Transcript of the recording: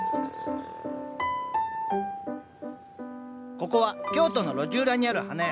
ここは京都の路地裏にある花屋「陽だまり屋」。